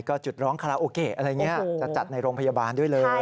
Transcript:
ก็จุดร้องคาราโอเกะอะไรอย่างนี้จะจัดในโรงพยาบาลด้วยเลย